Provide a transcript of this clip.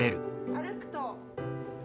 歩くと。